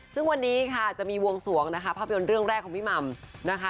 ซึ่งวันนี้ค่ะจะมีวงสวงนะคะภาพยนตร์เรื่องแรกของพี่หม่ำนะคะ